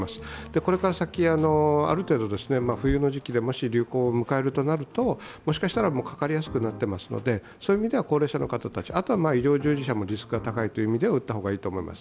これから先、ある程度冬の時期でもし流行を迎えるとなるともしかしたら、かかりやすくなってますので、そういう意味では高齢者の方たち、医療従事者もリスクが高い意味では打った方がいいと思います。